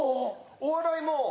お笑いも。